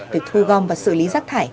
việc thu gom và xử lý rác thải